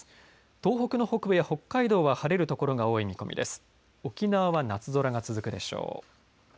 東北の北部や北海道は晴れるところが多い見込みです。